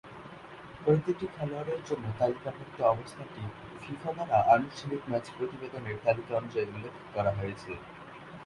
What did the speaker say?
প্রতিটি খেলোয়াড়ের জন্য তালিকাভুক্ত অবস্থানটি ফিফা দ্বারা আনুষ্ঠানিক ম্যাচ প্রতিবেদনের তালিকা অনুযায়ী উল্লেখ করা হয়েছে।